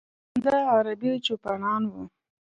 د ه عربي چوپانان و.